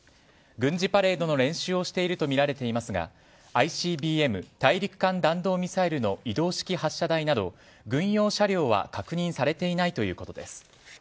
軍事パレードの練習をしているとみられていますがＩＣＢＭ＝大陸間弾道ミサイルの移動式発射台など、軍用車両は確認されていないということです。